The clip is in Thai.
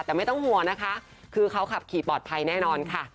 แต่ไม่ต้องห่วงนะคะคือเขาขับขี่ปลอดภัยแน่นอนค่ะ